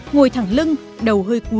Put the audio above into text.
ngồi thẳng lưng đầu hơi cúi